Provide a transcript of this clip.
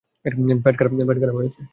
পেট খারাপ হয়েছে।